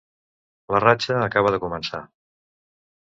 La ratxa acaba de començar.